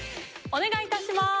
お願い致します！